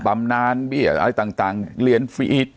ปรำนานบี้เหลียญฟรี